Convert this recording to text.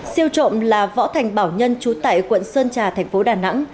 siêu trộm là võ thành bảo nhân trú tại quận sơn trà thành phố đà nẵng